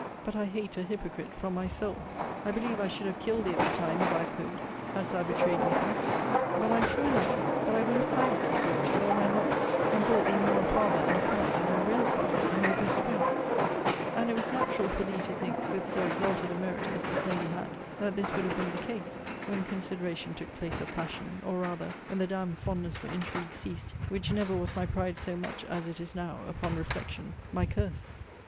But I hate a hypocrite from my soul. I believe I should have killed thee at the time, if I could, hadst thou betrayed me thus. But I am sure now, that I would have thanked thee for it, with all my heart; and thought thee more a father, and a friend, than my real father, and my best friend and it was natural for thee to think, with so exalted a merit as this lady had, that this would have been the case, when consideration took place of passion; or, rather, when the d d fondness for intrigue ceased, which never was my pride so much, as it is now, upon reflection, my curse.